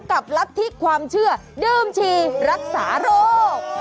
กับลักษณ์ที่ความเชื่อดื่มชีรักษาโรค